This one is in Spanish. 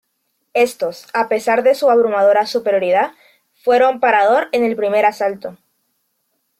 Estos, a pesar de su abrumadora superioridad, fueron parador en el primer asalto.